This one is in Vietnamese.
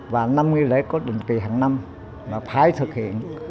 và năm nghi lễ có định kỳ hàng năm là phải thực hiện